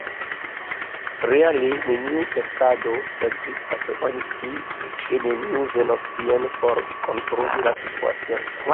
Reale neniu festado ekzistas: oni sciis, ke neniu venos tien por kontroli la situacion.